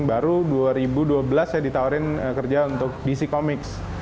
baru dua ribu dua belas saya ditawarin kerja untuk dc comics